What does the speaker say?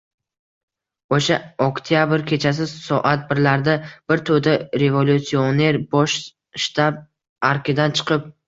O’sha Oktyabr kechasi soat birlarda bir to‘da revolyutsioner bosh shtab arkidan chiqib...